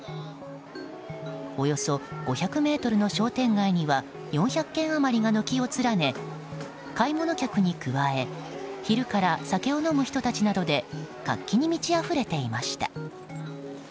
およそ５００ｍの商店街には４００軒余りが軒を連ね買い物客に加え昼から酒を飲む人たちで活気に満ちあふれていました。